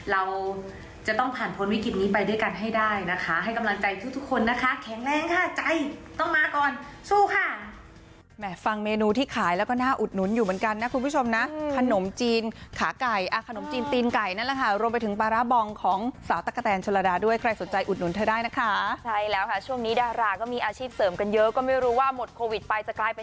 เราจะต้องผ่านพ้นวิกฤตนี้ไปด้วยกันให้ได้นะคะให้กำลังใจทุกคนนะคะแข็งแรงค่ะใจต้องมาก่อนสู้ค่ะ